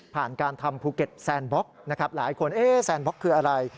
ผ่านการทำภูเก็ตแซนบล็อกหลายคนแซนบล็อกคืออะไร